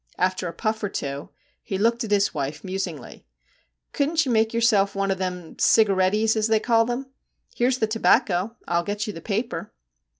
After a puff or two he looked at his wife musingly. 'Couldn't you make yourself one of them cigarettys, as they call 'em. Here 's the tobacco, and I '11 get you the paper.'